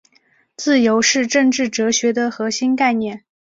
自由是政治哲学的核心概念。